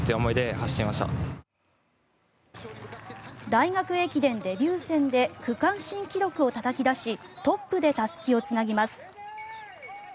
大学駅伝デビュー戦で区間新記録をたたき出しトップでたすきをつなぎます。